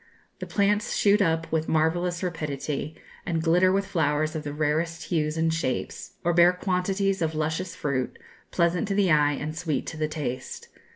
The plants shoot up with marvellous rapidity, and glitter with flowers of the rarest hues and shapes, or bear quantities of luscious fruit, pleasant to the eye and sweet to the taste.